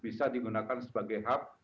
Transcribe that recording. bisa digunakan sebagai hub